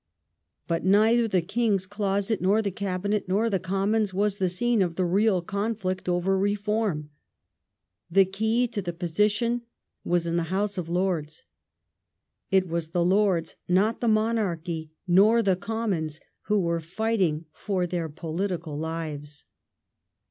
Conduct But neither the King's closet, nor the Cabinet, nor the Com Lords »"0"s was the scene of the real conflict over reform. The key to the position was in the House of Lords. It was the Lords, not the Monarchy nor the Commons, who were fighting for their political lives.